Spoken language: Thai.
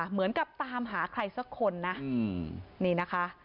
เหมือนกับตามหาใครสักคนนะนี่นะคะ